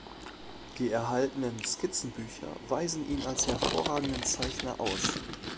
Die erhaltenen Skizzenbücher weisen ihn als hervorragenden Zeichner aus.